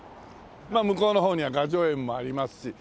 まあ向こうの方には雅叙園もありますし。